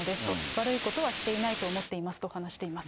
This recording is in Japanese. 悪いことはしていないと思っていますと話しています。